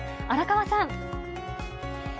荒川さん。